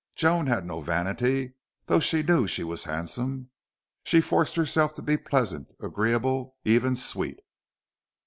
Joan had no vanity, though she knew she was handsome. She forced herself to be pleasant, agreeable, even sweet.